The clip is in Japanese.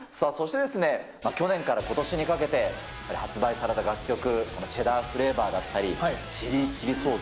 そしてですね、去年からことしにかけて発売された楽曲、このチェダーフレーバーだったり、チリーチリソース。